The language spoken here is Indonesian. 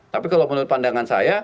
tapi kalau menurut pandangan saya